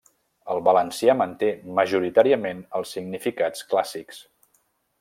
El valencià manté majoritàriament els significats clàssics.